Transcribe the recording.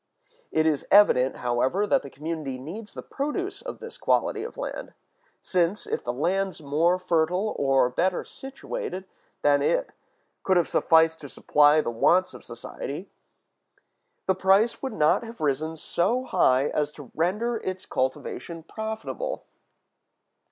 It is evident, however, that the community needs the produce of this quality of land; since, if the lands more fertile or better situated than it could have sufficed to supply the wants of society, the price would not have risen so high as to render its cultivation profitable.